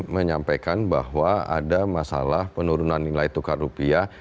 menyampaikan bahwa ada masalah penurunan nilai tukar rupiah